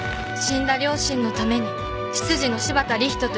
死んだ両親のために執事の柴田理人と一緒に